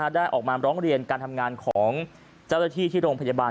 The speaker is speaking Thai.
ได้ออกมาร้องเรียนการทำงานของเจ้าหน้าที่ที่โรงพยาบาล